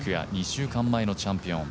２週間前のチャンピオン。